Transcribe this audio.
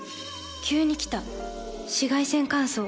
急に来た紫外線乾燥。